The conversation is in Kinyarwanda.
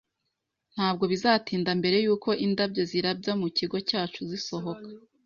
Ntabwo bizatinda mbere yuko indabyo zirabya mu kigo cyacu zisohoka